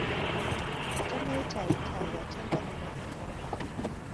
Atannayitaayita, y'atenda nnyina okufumba.